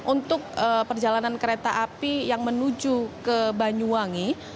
untuk perjalanan kereta api yang menuju ke banyuwangi